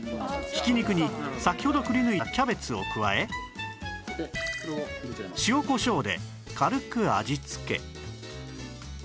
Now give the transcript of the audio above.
ひき肉に先ほどくり抜いたキャベツを加え塩こしょうで軽く味付け